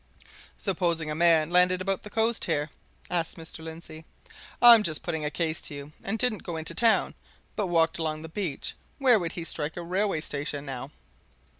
"Supposing a man landed about the coast, here," asked Mr. Lindsey "I'm just putting a case to you and didn't go into the town, but walked along the beach where would he strike a railway station, now?"